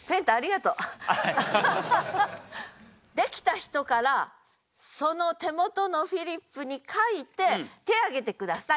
できた人からその手元のフリップに書いて手挙げて下さい。